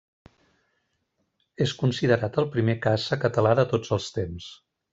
És considerat el primer caça català de tots els temps.